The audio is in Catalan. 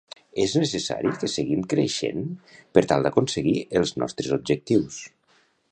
És necessari que seguim creixent per tal d'aconseguir els nostres objectius.